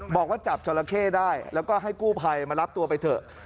บอกว่าจับจราเข้ได้แล้วก็ให้กู้ภัยมารับตัวไปเถอะ